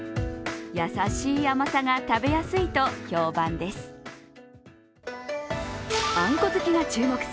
優しい甘さが食べやすいと評判です。